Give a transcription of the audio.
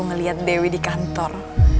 ngeliat dewi di kantor